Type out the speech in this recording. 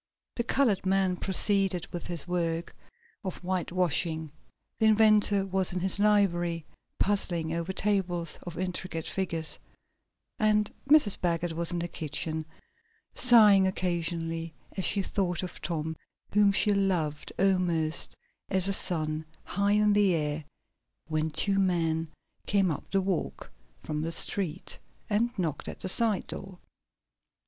The colored man proceeded with his work of whitewashing, the inventor was in his library, puzzling over tables of intricate figures, and Mrs. Baggert was in the kitchen, sighing occasionally as she thought of Tom, whom she loved almost as a son, high in the air, when two men came up the walk, from the street, and knocked at the side door.